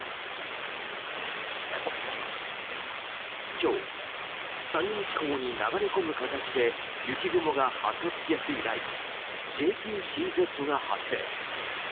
今日、山陰地方に流れ込む形で雪雲が発達しやすいラインＪＰＣＺが発生。